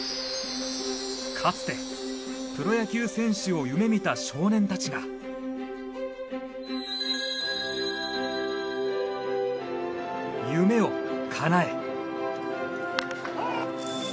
かつてプロ野球選手を夢見た少年たちが夢をかなえ。